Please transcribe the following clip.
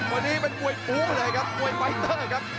วันนี้เป็นมวยปุ๊เลยครับมวยไฟเตอร์ครับ